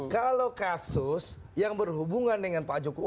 kalau kasus yang berhubungan dengan pak jokowi